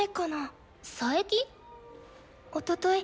おととい